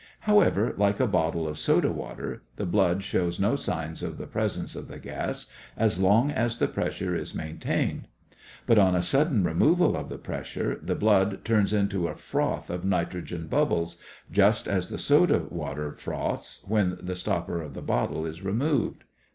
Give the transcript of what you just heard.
However, like a bottle of soda water, the blood shows no sign of the presence of the gas as long as the pressure is maintained. But on a sudden removal of the pressure, the blood turns into a froth of nitrogen bubbles, just as the soda water froths when the stopper of the bottle is removed.